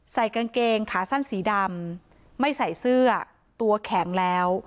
ใส่กางเกงขาสั้นสีดำไม่ใส่เสื้อตัวแข็งแล้ว